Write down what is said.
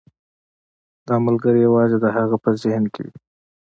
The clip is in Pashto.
دا ملګری یوازې د هغه په ذهن کې وي.